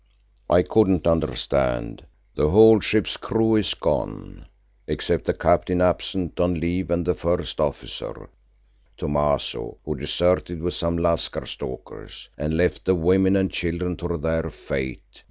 I couldn't understand. The whole ship's crew is gone, except the captain absent on leave and the first officer, Thomaso, who deserted with some Lascar stokers, and left the women and children to their fate.